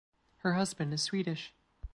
Her husband is Swedish.